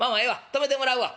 泊めてもらうわ。